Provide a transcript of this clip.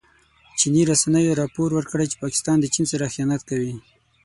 چیني رسنیو راپور ورکړی چې پاکستان د چین سره خيانت کوي.